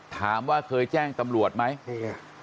ถามว่าเคยแจ้งตำรวจไหมเคย